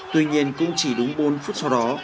tuy nhiên cũng chỉ đúng bốn phút sau đó